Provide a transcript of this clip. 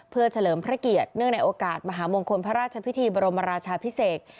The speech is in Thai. เพื่อเฉลิมพระเกียรติเนื่องในโอกาสมหามงคลพระราชพิธีบรมราชาพิเศษ